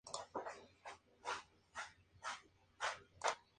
La grabación del álbum tuvo lugar en Tailandia, Australia, Atlanta y Los Ángeles.